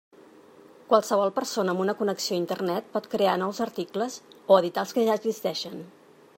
Qualsevol persona amb una connexió a Internet pot crear nous articles, o editar els que ja existeixen.